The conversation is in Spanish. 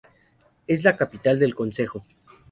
Es la capital del concejo.